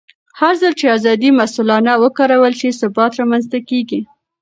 هرځل چې ازادي مسؤلانه وکارول شي، ثبات رامنځته کېږي.